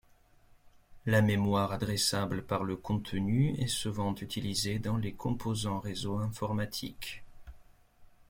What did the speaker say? La mémoire adressable par le contenu est souvent utilisée dans les composants réseaux informatiques.